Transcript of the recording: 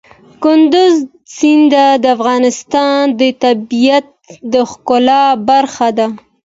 کندز سیند د افغانستان د طبیعت د ښکلا برخه ده.